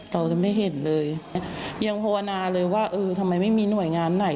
เราจะไม่เห็นเลยยังภาวนาเลยว่าเออทำไมไม่มีหน่วยงานไหน